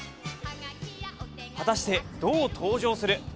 果たしてどう登場する？